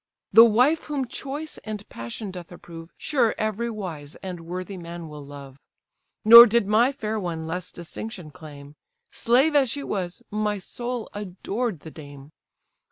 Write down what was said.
The wife whom choice and passion doth approve, Sure every wise and worthy man will love. Nor did my fair one less distinction claim; Slave as she was, my soul adored the dame.